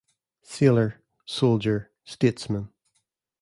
Sailor - Soldier - Statesman.